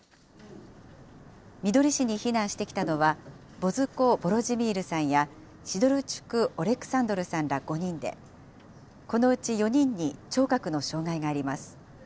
みどり市に避難してきたのは、ボズコ・ヴォロジミールさんやシドルチュク・オレクサンドルさんら５人で、このうち４人に聴覚の障害があります。